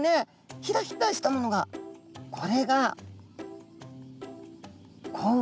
ひらひらしたものがこれが口腕。